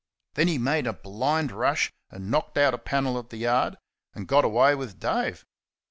Then he made a blind rush and knocked out a panel of the yard and got away with Dave.